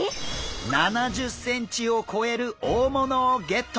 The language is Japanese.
７０ｃｍを超える大物をゲット！